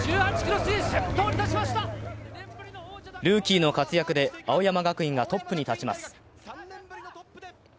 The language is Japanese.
ルーキーの活躍で青山学院がトップに立ちます。